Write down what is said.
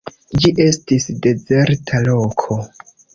Ĝi estis dezerta loko.